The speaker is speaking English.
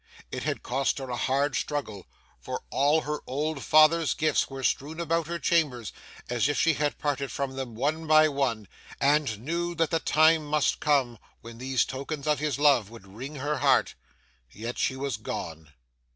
It had cost her a hard struggle, for all her old father's gifts were strewn about her chamber as if she had parted from them one by one, and knew that the time must come when these tokens of his love would wring her heart,—yet she was gone.